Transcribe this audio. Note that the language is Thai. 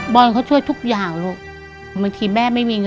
บอลเขาช่วยทุกอย่างมิ